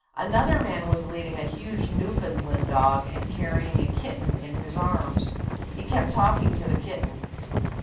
Another man was leading a huge Newfoundland dog and carrying a kitten in his arms. He kept talking to the kitten.